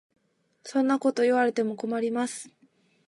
そんなこと言われても困ります。